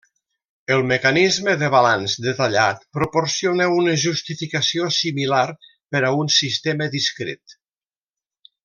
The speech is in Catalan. El mecanisme de balanç detallat proporciona una justificació similar per a un sistema discret.